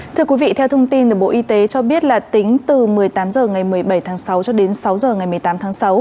thưa quý vị theo thông tin từ bộ y tế cho biết là tính từ một mươi tám h ngày một mươi bảy tháng sáu cho đến sáu h ngày một mươi tám tháng sáu